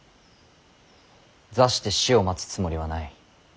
座して死を待つつもりはない。